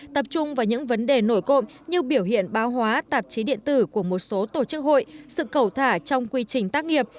tập trung vào những vấn đề nổi cộng như biểu hiện báo hóa tạp chí điện tử của một số tổ chức hội sự cẩu thả trong quy trình tác nghiệp